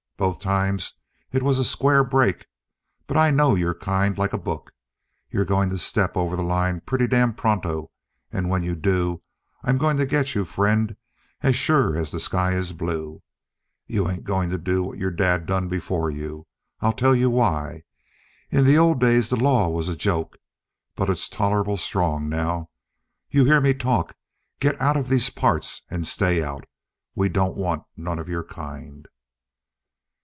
Both times it was a square break. But I know your kind like a book. You're going to step over the line pretty damn pronto, and when you do, I'm going to get you, friend, as sure as the sky is blue! You ain't going to do what your dad done before you. I'll tell you why. In the old days the law was a joke. But it's tolerable strong now. You hear me talk get out of these here parts and stay out. We don't want none of your kind."